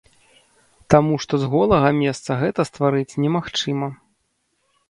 Таму што з голага месца гэта стварыць немагчыма.